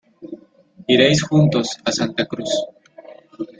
Iréis juntos a Santa Cruz.